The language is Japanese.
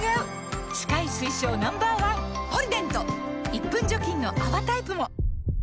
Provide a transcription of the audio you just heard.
１分除菌の泡タイプも！